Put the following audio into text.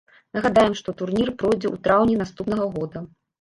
Нагадаем, што турнір пройдзе ў траўні наступнага года.